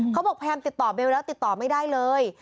เขาบอกพยายามติดต่อเบลแล้วติดต่อไม่ได้เลย